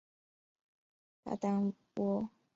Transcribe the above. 巴丹蜗为南亚蜗牛科班卡拉蜗牛属下的一个种。